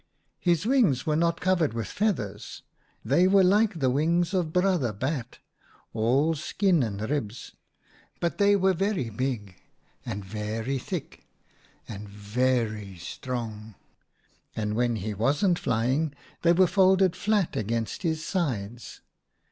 His wings were not covered with feathers : they were like the wings of Brother Bat, all skin and ribs ; but they were very big, and very thick, and very strong, and when he wasn't flying they were folded flat against his sides.